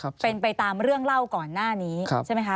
เป็นไปตามเรื่องเล่าก่อนหน้านี้ครับใช่ไหมคะ